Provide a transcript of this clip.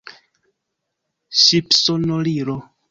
Ŝipsonorilo.